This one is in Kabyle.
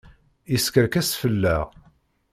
Yeskerkes fell-aɣ.